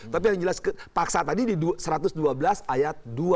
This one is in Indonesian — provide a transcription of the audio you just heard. tapi yang jelas paksa tadi di satu ratus dua belas ayat dua